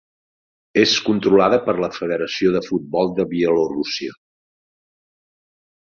És controlada per la Federació de Futbol de Bielorússia.